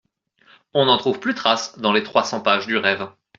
On n'en trouve plus trace dans les trois cents pages du Rêve.